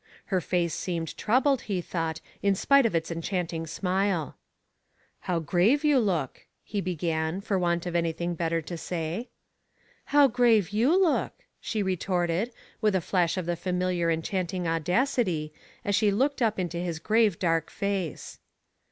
Her face seemed troubled, he thought, in spite of its enchanting smile. " How grave you look," he began, for watnt of anything better to say. How grave you look," she retorted, with a flash of the familiar enchanting audacity, as she looked up into his grave dark face.